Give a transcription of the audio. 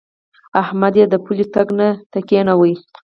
احمد يې د پولۍ ټک ته کېناوو.